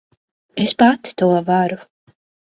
Es pati to varu.